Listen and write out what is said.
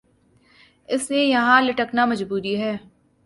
اس لئے یہان لٹکنا مجبوری ہے